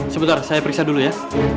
sebentar saya periksa dulu ya